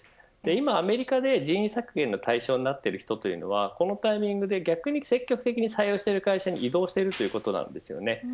今、アメリカで人員削減の対象になっている人はこのタイミングで逆に積極的に採用している会社に移動しているということなんです。